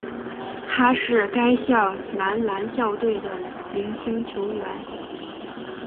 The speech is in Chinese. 他是该校男篮校队的明星球员。